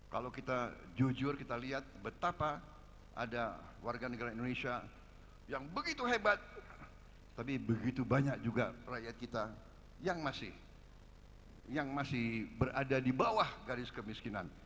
kalau kita jujur kita lihat betapa ada warga negara indonesia yang begitu hebat tapi begitu banyak juga rakyat kita yang masih berada di bawah garis kemiskinan